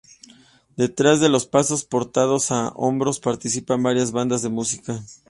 Detrás de los pasos portados a hombros participan varias bandas de música.